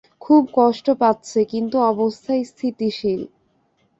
খুব কষ্ট পাচ্ছে কিন্তু অবস্থা স্থিতিশীল।